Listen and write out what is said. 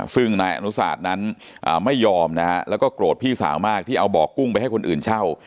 ซึ่งนายอนุสาตนั้นไม่ยอมนะฮะแล้วก็โกรธพี่สาวมากที่เอาบ่อกุ้งไปให้คนอื่นเช่า